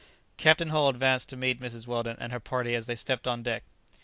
Captain Hull advanced to meet Mrs. Weldon and her party as they stepped on deck.